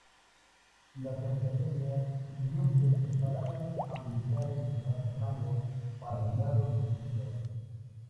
Las Academias Junker preparaban a militares de bajo rango para el grado de oficial.